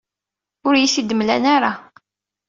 Ur iyi-t-id-mlan ara.